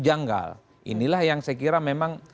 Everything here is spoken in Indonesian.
janggal inilah yang saya kira memang